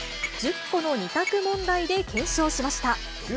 １０個の２択問題で検証しました。